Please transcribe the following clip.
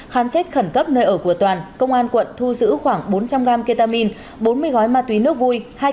kết khẩn cấp nơi ở của toàn công an quận thu giữ khoảng bốn trăm linh g ketamin bốn mươi gói ma túy nước vui